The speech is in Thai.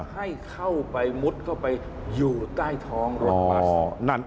ให้เข้าไปมุดเข้าไปอยู่ใต้ท้องรถบัตร